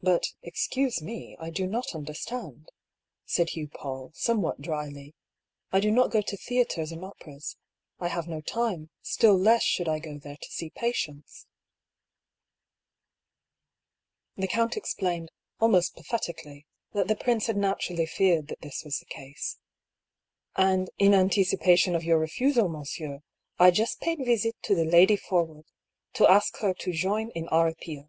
*' But, excuse me, I do not understand," said Dr. PauU, somewhat dryly. " I do not go to theatres and operas. I have no time, still less should I go there to see patients." 168 I>R. PAULL'S THEORY. The count explained, almost pathetically, that the prince had naturally feared that this was the case. " And, in anticipation of your refusal, monsieur, I just paid visit to the Lady Forwood, to ask her to join in our appeal."